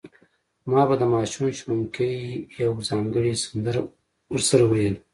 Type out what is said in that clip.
ما به د ماشوم شپونکي یوه ځانګړې سندره ورسره ویله.